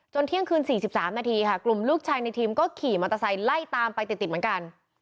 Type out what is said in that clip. เที่ยงคืน๔๓นาทีค่ะกลุ่มลูกชายในทีมก็ขี่มอเตอร์ไซค์ไล่ตามไปติดเหมือนกัน